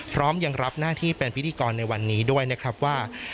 พร้อมยังรับหน้าที่เป็นพิธีกรในวันนี้ด้วยนะครับว่า